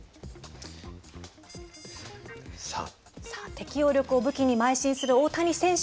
適応力を武器にまい進する大谷選手。